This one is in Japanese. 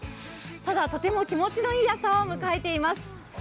ただとても気持ちのいい朝を迎えています。